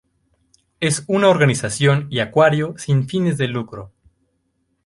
Es una organización y acuario sin fines de lucro.